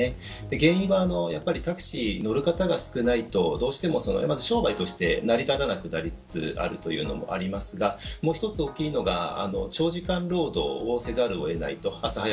原因は、タクシーに乗る方が少ないとどうしても商売として成り立たなくなりつつあるというのもありますがもう一つ大きいのが長時間労働をせざるを得ない。